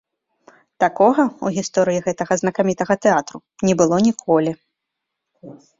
Такога ў гісторыі гэтага знакамітага тэатру не было ніколі.